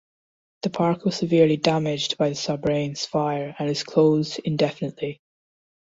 The park was severely damaged by the Soberanes fire and is closed indefinitely.